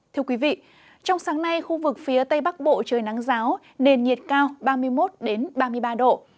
thưa quý vị trong sáng nay khu vực phía tây bắc bộ trời nắng giáo nền nhiệt cao ba mươi một ba mươi ba độ